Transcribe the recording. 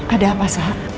ada apa sarah